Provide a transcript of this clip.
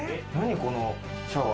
このシャワー。